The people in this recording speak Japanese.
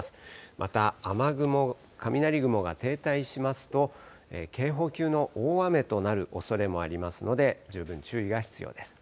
また、雨雲、雷雲が停滞しますと、警報級の大雨となるおそれもありますので、十分注意が必要です。